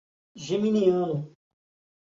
Geminiano